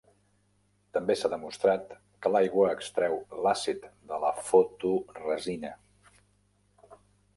També s'ha demostrat que l'aigua extreu l'àcid de la fotoresina.